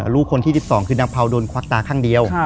ลูกคนที่๑๒คือนางเผาโดนควักตาข้างเดียว